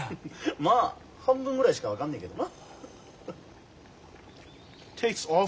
まあ半分ぐらいしか分かんねえけどな。